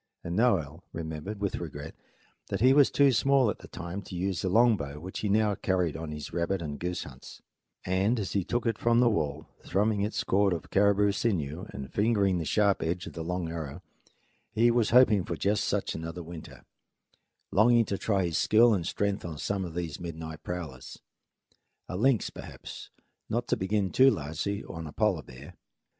As for Noel, he remembered with regret that he was too small at the time to use the long bow which he now carried on his rabbit and goose hunts; and as he took it from the wall, thrumming its chord of caribou sinew and fingering the sharp edge of a long arrow, he was hoping for just such another winter, longing to try his skill and strength on some of these midnight prowlers a lynx, perhaps, not to begin too largely on a polar bear.